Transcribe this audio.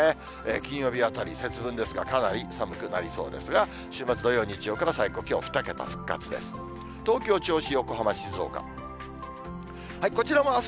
金曜日あたり、節分ですが、かなり寒くなりそうですが、週末土曜、日曜から最高気温、２桁復活です。